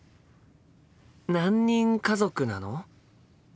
何人家族なの？